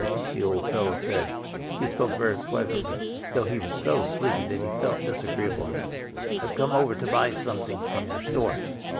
the old fellow said. He spoke very pleasantly, though he was so sleepy that he felt disagreeable enough. "I've come over to buy something from your store."